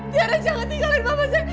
tiara jangan tinggalkan papa saya